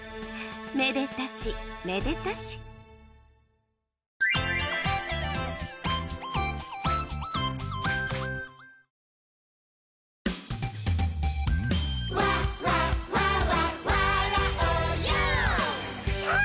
めでたしめでたしさあ